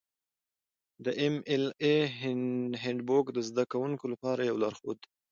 د ایم ایل اې هینډبوک د زده کوونکو لپاره یو لارښود دی.